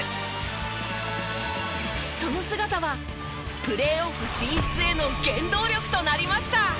その姿はプレーオフ進出への原動力となりました。